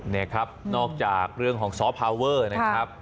นี่ครับนอกจากเรื่องของซ้อพาเวอร์นะครับ